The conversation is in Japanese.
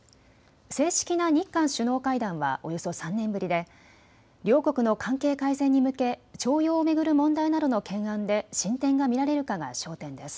正式な日韓首脳会談はおよそ３年ぶりで両国の関係改善に向け徴用を巡る問題などの懸案で進展が見られるかが焦点です。